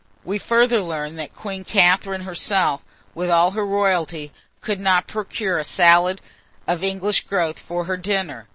We further learn, that Queen Catharine herself, with all her royalty, could not procure a salad of English growth for her dinner.